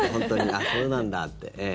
あっ、そうなんだって。